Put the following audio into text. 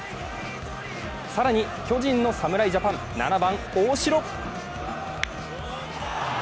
更に、巨人の侍ジャパン７番・大城。